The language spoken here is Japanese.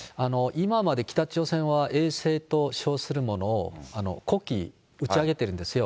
今まで北朝鮮は衛星と称するものを、５基打ち上げてるんですよ。